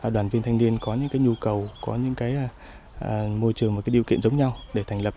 đoàn viên thanh niên có những nhu cầu có những cái môi trường và điều kiện giống nhau để thành lập